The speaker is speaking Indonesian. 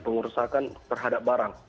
pengurusakan terhadap barang